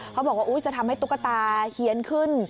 เขาบอกว่าจะทำให้ตุ๊กตาเฮียนขึ้น